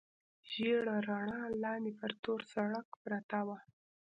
ژېړه رڼا، لاندې پر تور سړک پرته وه.